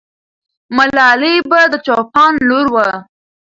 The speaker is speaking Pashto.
ملالۍ به د چوپان لور وه.